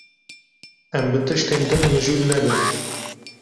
Em bi tiştên din mijûl nebin.